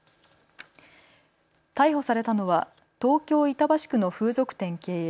逮捕されたのは東京板橋区の風俗店経営、